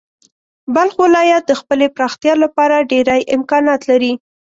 بلخ ولایت د خپلې پراختیا لپاره ډېری امکانات لري.